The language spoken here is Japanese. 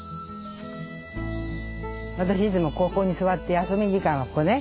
私いつもここに座って休み時間がここね。